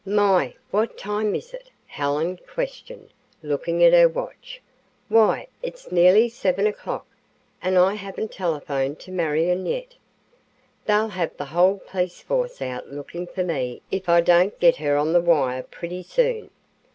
"My, what time is it?" Helen questioned, looking at her watch. "Why, it's nearly seven o'clock, and I haven't telephoned to Marion yet. They'll have the whole police force out looking for me if I don't get her on the wire pretty soon.